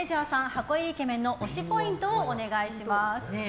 箱入りイケメンの推しポイントをお願いします。